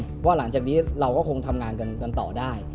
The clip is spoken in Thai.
เพราะว่าหลังจากนี้เราก็คงทำงานกันต่อได้